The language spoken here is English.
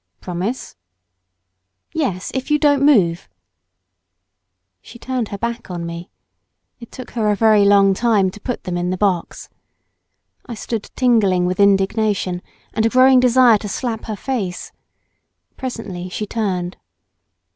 "Promise!" "Yes, if you don't move." She turned her back on me. It took her a very long time to put them in the box. I stood tingling with indignation, and a growing desire to slap her face. Presently she turned.